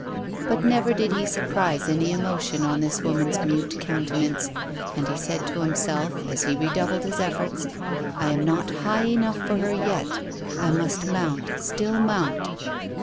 But never did he surprise any emotion on this woman's mute countenance, and he said to himself, as he redoubled his efforts :" I am not high enough for her yet ; I must mount, still mount."